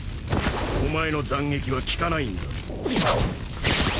お前の斬撃は効かないんだ。